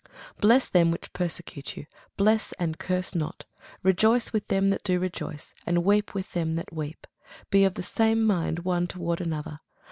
Bless them which persecute you: bless, and curse not. Rejoice with them that do rejoice, and weep with them that weep. Be of the same mind one toward another.